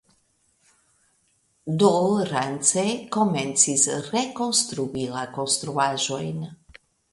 Do Rance komencis rekonstrui la konstruaĵojn.